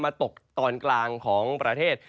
ตกตอนกลางของประเทศ